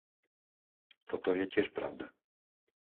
Toto je tiež pravda.